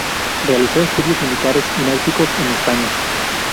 Realizó estudios militares y náuticos en España.